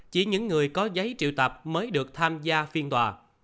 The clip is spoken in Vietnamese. chỉ những người có giấy triệu tập mới được tham gia phiên tòa